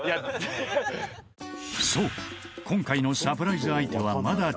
そう今回のサプライズ相手はまだ中学生